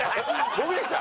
僕でした。